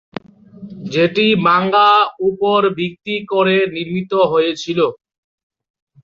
যেটি মাঙ্গা উপর ভিত্তি করে নির্মিত হয়েছিল।